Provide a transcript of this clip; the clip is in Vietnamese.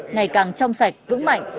ngày càng trong sạch vững mạnh